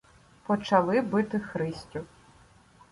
Почали бити Христю.